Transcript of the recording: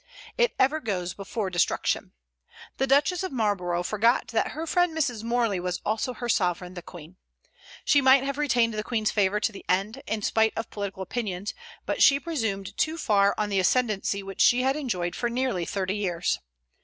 It ever goes before destruction. The Duchess of Marlborough forgot that her friend Mrs. Morley was also her sovereign the Queen. She might have retained the Queen's favor to the end, in spite of political opinions; but she presumed too far on the ascendency which she had enjoyed for nearly thirty years.